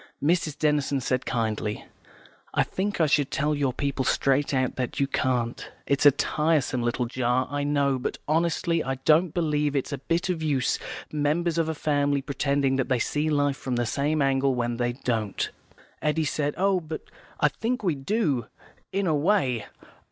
Mrs. Denison said kindly, "I think I should tell your people straight out that you can't. It's a tiresome little jar, I know, but honestly, I don't believe it's a bit of use members of a family pretending that they see life from the same angle when they don't." Eddy said, "Oh, but I think we do, in a way.